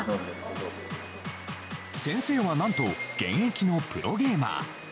先生は、何と現役のプロゲーマー。